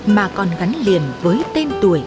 mà còn gắn liền với tên tuổi